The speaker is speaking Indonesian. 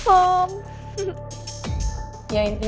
biar gue punya kesempatan buat liat mike perform